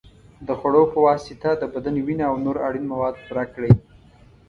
د خوړو په واسطه د بدن وینه او نور اړین مواد پوره کړئ.